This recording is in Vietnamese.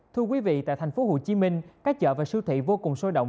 thưa quý vị tại tp hcm các chợ và siêu thị vô cùng sôi động